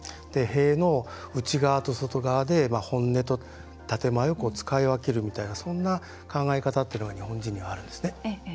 塀の内側と外側で本音と建て前を使い分けるみたいなそんな考え方っていうのが日本人にはあるんですね。